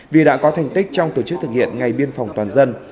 vì đã có thành tích trong tổ chức thực hiện ngày biên phòng toàn dân